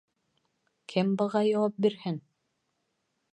Кем быға яуап бирһен?